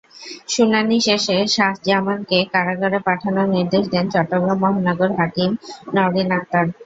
শুনানি শেষে শাহজামানকে কারাগারে পাঠানোর নির্দেশ দেন চট্টগ্রাম মহানগর হাকিম নওরীন আক্তার।